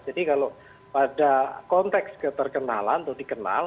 jadi kalau pada konteks keterkenalan atau dikenal